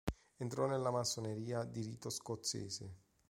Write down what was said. Entrò nella massoneria di rito scozzese.